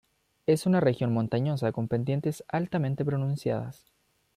Es una región montañosa con pendientes altamente pronunciadas.